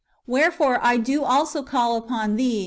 Wherefore I do also call upon thee.